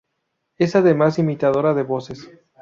Es además, imitadora de voces.